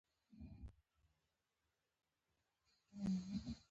افغانستان د ښارونو په برخه کې کار کوي.